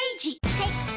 はい。